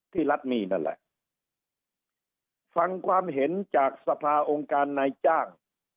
รัฐมีนั่นแหละฟังความเห็นจากสภาองค์การนายจ้าง